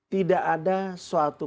tidak ada suatu